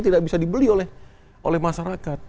tidak bisa dibeli oleh masyarakat